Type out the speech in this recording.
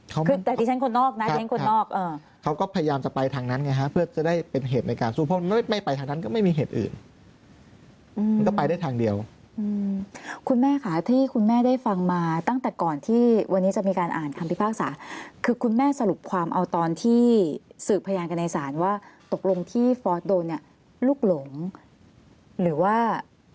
คุณแม่ค่ะที่คุณได้ฟังมาตั้งแต่ก่อนที่พี่พร้างมาวันนี้มีการอ่านความพิพากษาคือคุณแม่สรุปความเอาตอนที่สือบพยายามกันในสารว่าตกลงที่ฟอสโดนเนี่ยลุกหลงหรือว่า